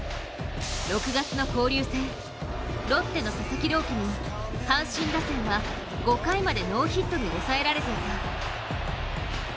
６月の交流戦、ロッテの佐々木朗希に阪神打線は５回までノーヒットに抑えられていた。